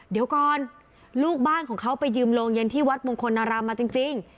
เดี๋ยวก่อนลูกบ้านของเขาไปยืมโรงเย็นที่วัดมงคลนารามมาจริง